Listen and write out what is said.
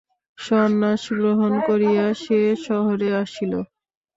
সন্ন্যাস গ্রহণ করিয়া সে শহরে আসিল।